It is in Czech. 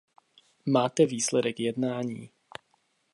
Máte výsledek jednání.